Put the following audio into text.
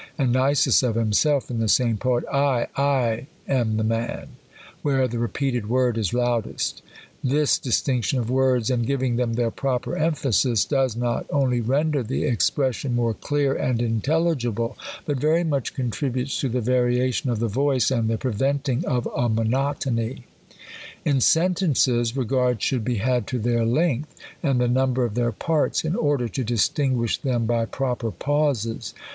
And Nisus of himself, in the same poet, " I, /am the man ;" where the repeated word is loudest. This distinction of words, and giving them their proper emphasis, does not only render the expression more clear and intel ligible, but very much contributes to the variation of the voice and the preventing of a monotony. In 28 THE COLUMBIAN ORATOR. In sentences, regard should be had to their lengtli, and the number of their parts, in order to distinguish thera by proper pauses.